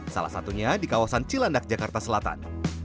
salah satunya di kawasan cilandak jakarta selatan